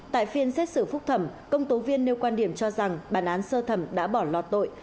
tại phiên xét xử phúc thẩm công tố viên nêu quan điểm cho rằng bản án sơ thẩm đã bỏ lọt tội